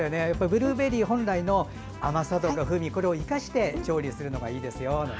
ブルーベリー本来の甘さとか風味を生かして調理するのがいいですよ。